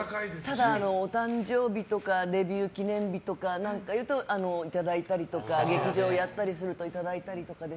ただ、お誕生日とかデビュー記念日とかっていうといただいたりとか劇場をやったりするといただいたりとか。